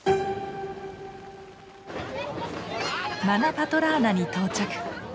マナパトラーナに到着。